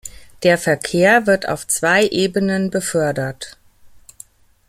Der Verkehr wird auf zwei Ebenen befördert.